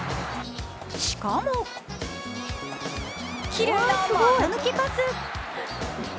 しかもきれいな股抜きパス。